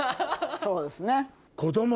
そうですね。